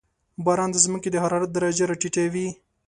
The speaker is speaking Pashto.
• باران د زمکې د حرارت درجه راټیټوي.